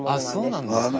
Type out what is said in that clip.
あそうなんですか。